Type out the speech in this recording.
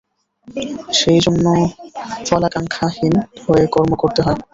সেইজন্য ফলাকাঙ্ক্ষাহীন হয়ে কর্ম করতে হয়।